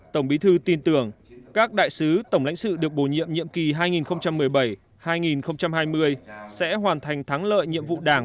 tổng bí thư tin tưởng các đại sứ tổng lãnh sự được bổ nhiệm nhiệm kỳ hai nghìn một mươi bảy hai nghìn hai mươi sẽ hoàn thành thắng lợi nhiệm vụ đảng